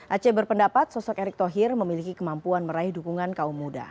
aceh berpendapat sosok erick thohir memiliki kemampuan meraih dukungan kaum muda